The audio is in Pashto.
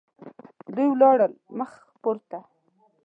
دوی ولاړل مخ پورته.